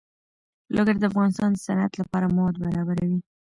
لوگر د افغانستان د صنعت لپاره مواد برابروي.